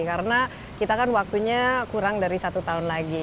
karena kita kan waktunya kurang dari satu tahun lagi